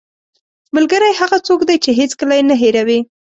ملګری هغه څوک دی چې هېڅکله یې نه هېروې